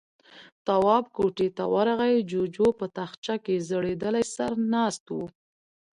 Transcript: تواب کوټې ته ورغی، جُوجُو په تاخچه کې ځړېدلی سر ناست و.